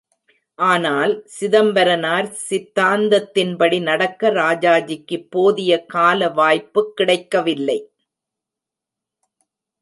ஆனால், சிதம்பரனார் சித்தாந்தத்தின் படி நடக்க ராஜாஜிக்குப் போதிய கால வாய்ப்புக் கிடைக்கவில்லை.